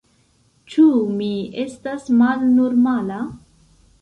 Ĉu mi estas malnormala?